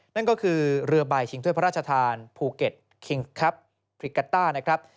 นั่นก็คือเรือใบชิงถ้วยพระราชทานภูเก็ตคิงครับฟริกาต้านะครับ